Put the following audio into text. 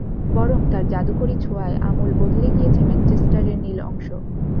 বরং তাঁর জাদুকরি ছোঁয়ায় আমূল বদলে গিয়েছে ম্যানচেস্টারের নীল অংশ।